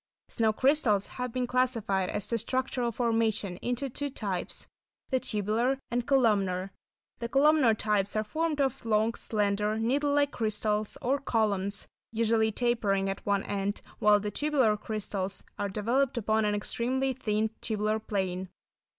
Snow crystals have been classified, as to structural formation, into two types; the tubular and columnar. The columnar types are formed of long, slender, needle like crystals or columns, usually tapering at one end, while the tubular crystals are developed upon an extremely thin tubular plane.